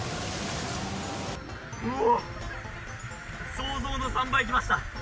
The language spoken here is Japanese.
想像の３倍きました！